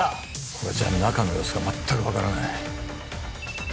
これじゃ中の様子が全く分からない